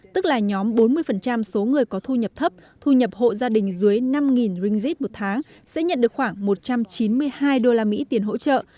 tức là nhóm bốn mươi số người có thu nhập thấp thu nhập hộ gia đình dưới năm ringgit một tháng sẽ nhận được khoảng một trăm chín mươi hai usd tiền hỗ trợ